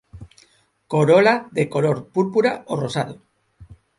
Corola de color púrpura o rosado.